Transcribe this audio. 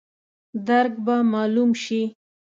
درک به مالوم شي.